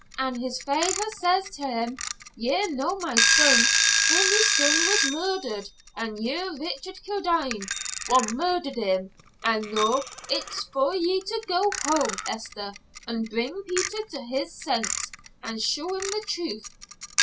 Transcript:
An' his feyther says till him, 'Ye're no my son, for my son was murder't an' ye're Richard Kildene wha' murder't him.' And noo, it's for ye to go home, Hester, an' bring Peter to his senses, and show him the truth.